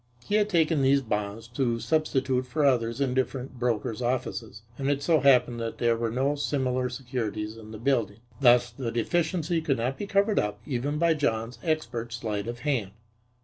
He had taken these bonds to substitute for others in different brokers' offices, and it so happened that there were no similar securities in the building; thus the deficiency could not be covered up even by John's expert sleight of hand.